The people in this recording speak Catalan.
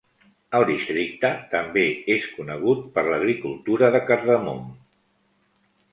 El districte també és conegut per l'agricultura de cardamom.